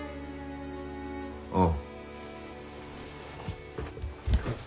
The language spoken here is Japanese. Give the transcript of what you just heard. ああ。